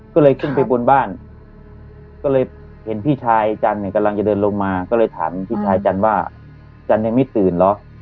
ก็เลยขึ้นไปบนบ้านก็เลยเห็นพี่ชายจันเนี่ยกำลังจะเดินลงมาก็เลยถามพี่ชายจันว่าจันยังไม่ตื่นเหรอ